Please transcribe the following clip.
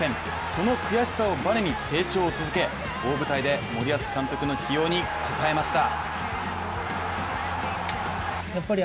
その悔しさをバネに成長を続け大舞台で森保監督の起用に応えました。